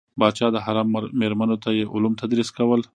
پاچا د حرم میرمنو ته یې علوم تدریس کول.